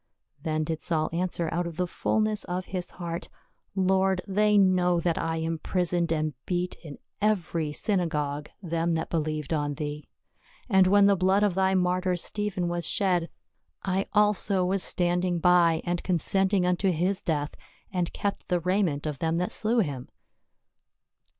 Then did Saul answer out of the fullness of his heart, " Lord, they know that I imprisoned and beat in every synagogue them that believed on thee ; and when the blood of thy martyr Stephen was shed, I also was 142 PA UL. Standing by, and consenting unto his death, and kept the raiment of them that slew him."